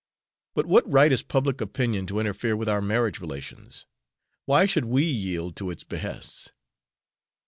"But what right has public opinion to interfere with our marriage relations? Why should we yield to its behests?"